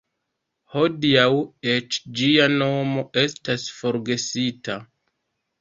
Hodiaŭ eĉ ĝia nomo estas forgesita.